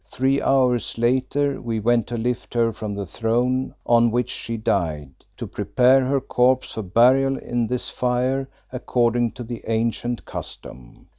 Three hours later we went to lift her from the throne on which she died, to prepare her corpse for burial in this fire, according to the ancient custom.